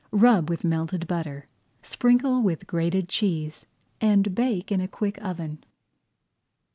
Rub with melted butter, sprinkle with grated cheese, and bake in a quick oven.